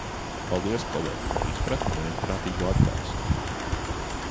Paldies, kolēģi, par izpratni un vienprātīgo atbalstu!